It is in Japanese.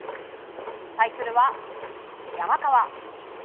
対するは、山川。